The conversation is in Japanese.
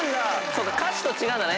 歌詞と違うんだ！